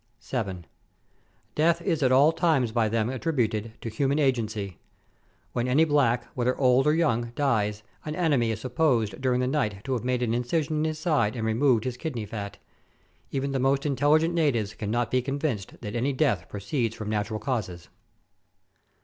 7. Death is at all times by them attributed to human agency. When any black, whether old or young, dies, an enemy is supposed during the night to have made an incision in his side and removed his kidney fat. Even the most intelligent natives cannot be con vinced that any death proceeds from natural causes.